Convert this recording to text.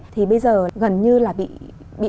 thì bây giờ gần như là bị